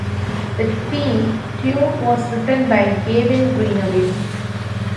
The theme tune was written by Gavin Greenaway.